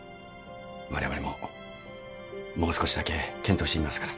われわれももう少しだけ検討してみますから。